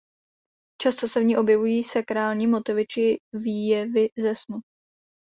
Často se v ní objevují sakrální motivy či výjevy ze snu.